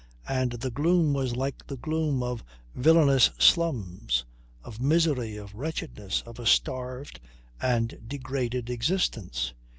And the gloom was like the gloom of villainous slums, of misery, of wretchedness, of a starved and degraded existence.